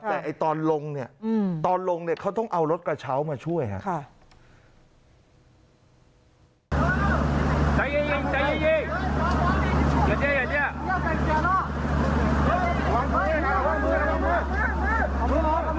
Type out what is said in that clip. แต่ตอนลงเนี่ยเขาต้องเอารถกระเช้ามาช่วยครับ